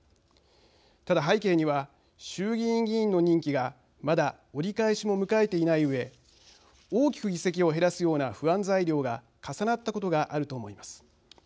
ただ、背景には衆議院議員の任期がまだ折り返しも迎えていないうえ大きく議席を減らすような不安材料が重なったことがあると思います。